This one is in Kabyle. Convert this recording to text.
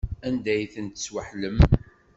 Anda ay ten-tesweḥlem?